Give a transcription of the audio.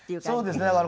そうですね。